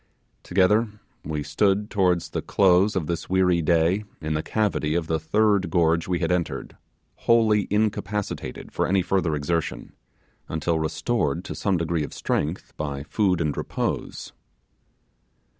Together we stood towards the close of this weary day in the cavity of the third gorge we had entered, wholly incapacitated for any further exertion, until restored to some degree of strength by food and repose.